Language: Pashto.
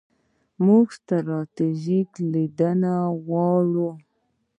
موږ ستراتیژیک لید غواړو.